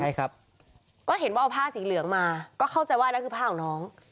ใช่ครับก็เห็นว่าเอาผ้าสีเหลืองมาก็เข้าใจว่านั่นคือผ้าของน้อง